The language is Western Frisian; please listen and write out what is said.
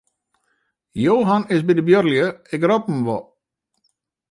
Johan is by de buorlju, ik rop him wol.